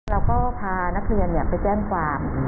เราก็พานักเรียนไปแจ้งความ